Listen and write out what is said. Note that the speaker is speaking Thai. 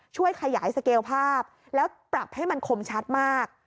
ช่วยขยายสเกลภาพแล้วปรับให้มันคมชัดมาก